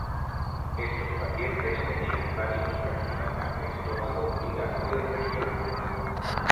Estos pacientes tenían varios carcinomas de estómago y ganglios regionales.